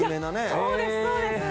そうですそうです。